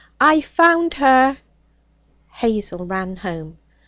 'I've found her!' Hazel ran home.